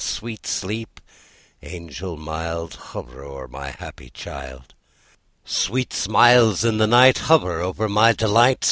Sweet Sleep, angel mild, Hover o'er my happy child! Sweet smiles, in the night Hover over my delight!